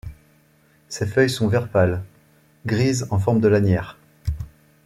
Ces feuilles sont vert pâle - grises en forme de lanières.